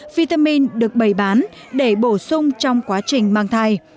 vitamin được bày bán để bổ sung trong quá trình mang thai